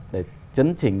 để chấn trình